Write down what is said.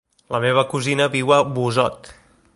La meva cosina viu a Busot.